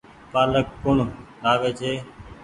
پآلڪ ڪوڻ لآوي ڇي۔